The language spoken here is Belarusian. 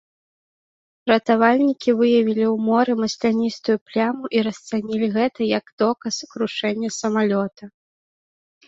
Ратавальнікі выявілі ў моры масляністую пляму і расцанілі гэта як доказ крушэння самалёта.